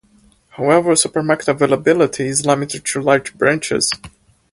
However supermarket availability is limited to larger branches.